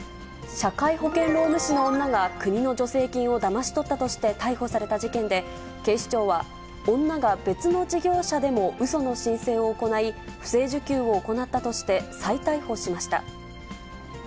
社会保険労務士の女が国の助成金をだまし取ったとして逮捕された事件で、警視庁は、女が別の事業者でもうその申請を行い、不正受給を行ったとして、再逮捕しました。